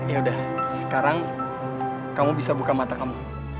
yaudah sekarang kamu bisa buka mata kamu